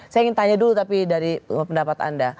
saya ingin tanya dulu tapi dari pendapat anda